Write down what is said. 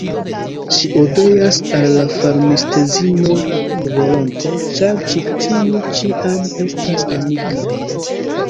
Ŝi obeas al la farmistedzino volonte, ĉar ĉi tiu ĉiam estas amika.